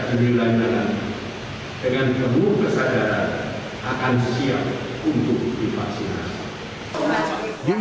akan siap untuk divaksinasi